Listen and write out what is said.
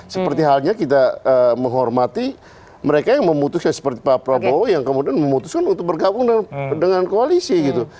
seperti halnya kita menghormati mereka yang memutuskan seperti pak prabowo yang kemudian memutuskan untuk bergabung dengan koalisi gitu